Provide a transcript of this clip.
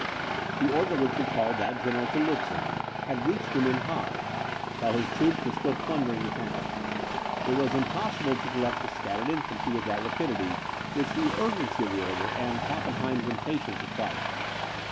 The order which recalled that general to Lutzen had reached him in Halle, while his troops were still plundering the town. It was impossible to collect the scattered infantry with that rapidity, which the urgency of the order, and Pappenheim's impatience required.